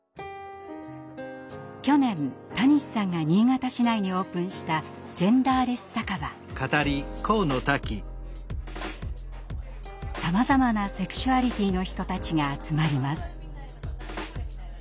去年たにしさんが新潟市内にオープンしたさまざまなセクシュアリティーの人たちが集まります。